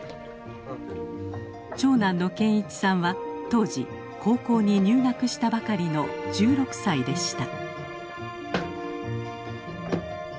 長男の健一さんは当時高校に入学したばかりの１６歳でした。